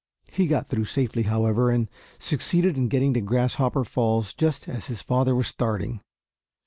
He got through safely, however, and succeeded in getting to Grasshopper Falls just as his father was starting.